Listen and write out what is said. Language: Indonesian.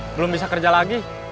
belum bisa kerja lagi